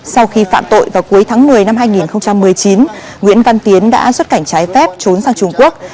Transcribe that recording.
sau khi phạm tội vào cuối tháng một mươi năm hai nghìn một mươi chín nguyễn văn tiến đã xuất cảnh trái phép trốn sang trung quốc